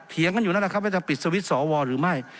กันอยู่นั่นแหละครับว่าจะปิดสวิตช์สวหรือไม่